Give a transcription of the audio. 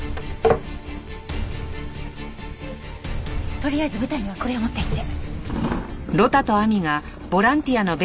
とりあえず舞台にはこれを持って行って。